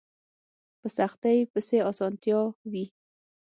په سختۍ پسې اسانتيا وي